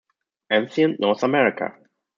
"Ancient North America".